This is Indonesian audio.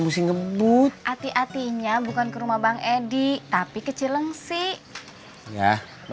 musik ngebut hati hatinya bukan ke rumah bang edi tapi kecileng sih ya